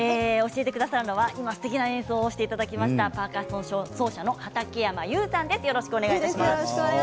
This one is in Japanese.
教えてくださるのはすてきな演奏していただきましたパーカッション奏者のはたけやま裕さんです。